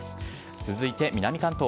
続いて南関東。